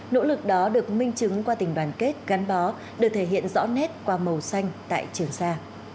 nỗ lực đó được minh chứng qua tình đoàn kết gắn bó được thể hiện rõ nét qua màu xanh tại trường sa